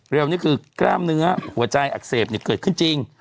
นี่คือกล้ามเนื้อหัวใจอักเสบเกิดขึ้นจริง